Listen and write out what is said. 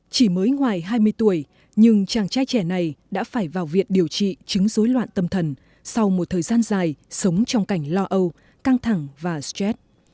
chỉ mới ngoài hai mươi tuổi nhưng chàng trai trẻ này đã phải vào viện điều trị chứng dối loạn tâm thần sau một thời gian dài sống trong cảnh lo âu căng thẳng và stress